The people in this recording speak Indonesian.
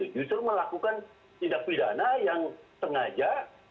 justru melakukan tindak pidana yang sengaja